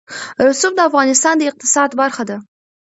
رسوب د افغانستان د اقتصاد برخه ده.